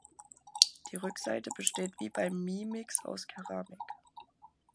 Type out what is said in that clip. Die Rückseite besteht wie beim Mi Mix aus Keramik.